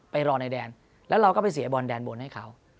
รอในแดนแล้วเราก็ไปเสียบอลแดนบนให้เขา